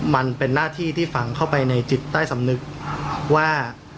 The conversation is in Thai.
มันเป็นหน้าที่ที่ฝังเข้าไปในจิตใต้สำนึกว่า